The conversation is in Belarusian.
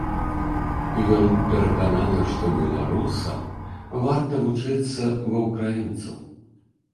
Ён перакананы, што беларусам варта вучыцца ва ўкраінцаў.